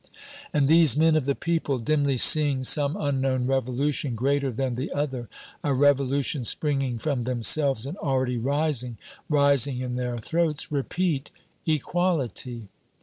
And these men of the people, dimly seeing some unknown Revolution greater than the other, a revolution springing from themselves and already rising, rising in their throats, repeat "Equality!"